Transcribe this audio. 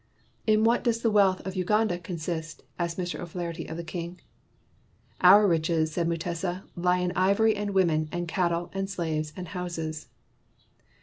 "In what does the wealth of Uganda con sist?" asked Mr. O 'Flaherty of the king. "Our riches," said Mutesa, "lie in ivory and women and cattle and slaves and houses.